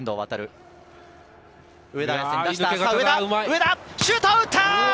上田、シュートを打った！